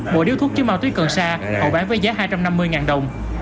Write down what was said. bộ điếu thuốc chứa ma túy cần sa hậu bán với giá hai trăm năm mươi đồng